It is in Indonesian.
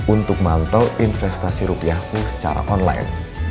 untuk mantau investasi rupiahmu secara online